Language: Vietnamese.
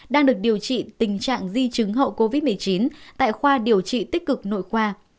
đang được điều trị tình trạng di chứng hậu covid một mươi chín tại khoa điều trị tích cực nội khoa